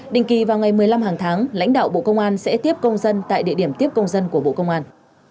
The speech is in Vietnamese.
đình kỳ vào ngày một mươi năm hàng tháng lãnh đạo bộ công an sẽ tiếp công dân tại địa điểm tiếp công dân của bộ công an